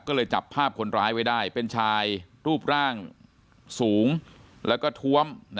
ก็เลยจับภาพคนร้ายไว้ได้เป็นชายรูปร่างสูงแล้วก็ท้วม